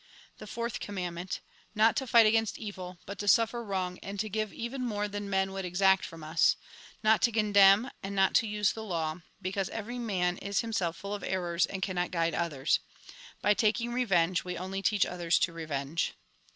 The Fourth Commandment. Not to fight against evil, but to suffer wrong, and to give even more than men would exact from us ; not to condemn, and not to use the law ; because every man is himself full of errors, and cannot guide others. By taking revenge, we only teach others to revenge.